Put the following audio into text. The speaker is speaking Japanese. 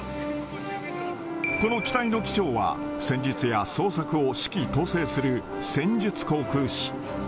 この機体の機長は戦術や捜索を指揮統制する戦術航空士。